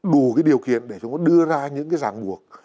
đủ cái điều kiện để chúng ta đưa ra những cái giảng buộc